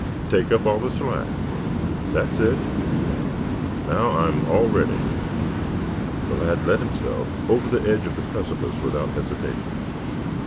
Take up all the slack. That's it. Now I'm all ready." The lad let himself over the edge of the precipice without hesitation.